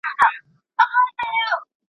موږ هم باید د پوهانو لارښوونې تعقیب کړو.